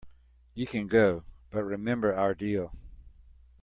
You can go, but remember our deal.